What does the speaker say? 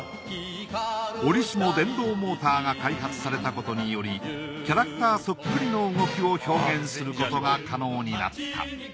折しも電動モーターが開発されたことによりキャラクターそっくりの動きを表現することが可能になった。